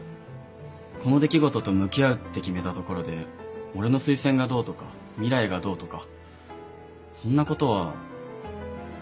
この出来事と向き合うって決めたところで俺の推薦がどうとか未来がどうとかそんなことは。